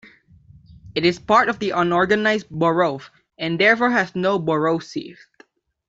It is part of the Unorganized Borough and therefore has no borough seat.